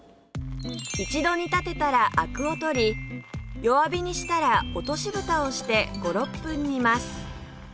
一度煮立てたらアクをとり弱火にしたら落とし蓋をして５６分煮ます